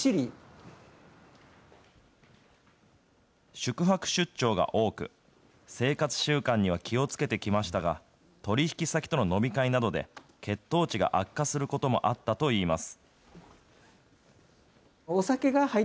宿泊出張が多く、生活習慣には気をつけてきましたが、取り引き先との飲み会などで血糖値が悪化することもあったといいます。